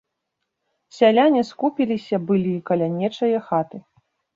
Сяляне скупіліся былі каля нечае хаты.